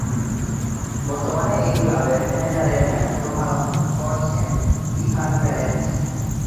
বর্তমানে এই ক্লাবের ম্যানেজারের দায়িত্ব পালন করছেন ইভান প্রেলেৎস।